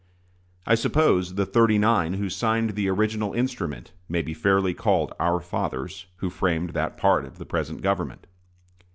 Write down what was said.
I suppose the "thirty nine" who signed the original instrument may be fairly called our fathers who framed that part of the present government.